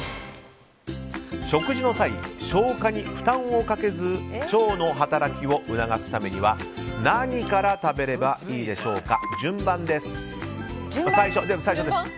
食事の際、消化に負担をかけず腸の働きを促すためには何から食べればいいでしょうか。